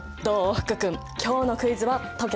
福君今日のクイズは解けたかな？